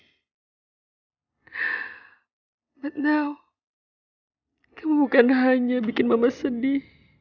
tapi sekarang kamu bukan hanya bikin mama sedih